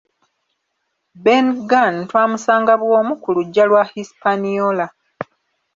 Ben Gunn twamusanga bw'omu ku luggya lwa Hispaniola.